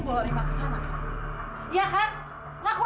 bantu saya mak